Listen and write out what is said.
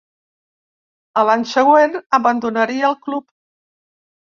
A l'any següent abandonaria el club.